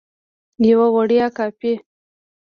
یوه وړیا کاپي